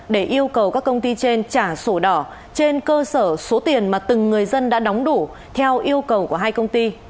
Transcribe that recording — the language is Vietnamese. để yêu cầu các công ty trên trả sổ đỏ trên cơ sở số tiền mà từng người dân đã đóng đủ theo yêu cầu của hai công ty